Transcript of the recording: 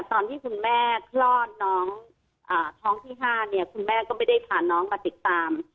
ตอนที่คุณแม่คลอดน้องท้องที่๕เนี่ยคุณแม่ก็ไม่ได้พาน้องมาติดตาม